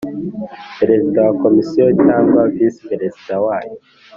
Perezida wa komisiyo cyangwa visi perezida wayo